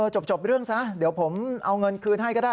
จบเรื่องซะเดี๋ยวผมเอาเงินคืนให้ก็ได้